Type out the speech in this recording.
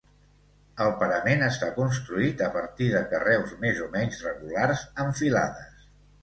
El parament està construït a partir de carreus més o menys regulars, en filades.